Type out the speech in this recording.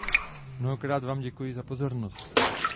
Mnohokrát vám děkuji za pozornost.